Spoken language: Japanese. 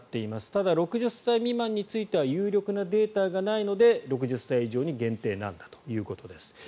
ただ、６０歳未満については有力なデータがないので６０歳以上に限定なんだということです。